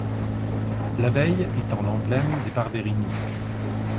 L'abeille étant l'emblème des Barberini.